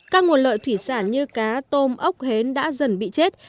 các nguồn lợi thủy sản như cá tôm ốc hến đã dần bị chết